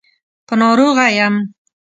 په ناروغه يم.